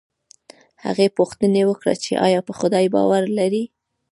هغې پوښتنه وکړه چې ایا په خدای باور لرې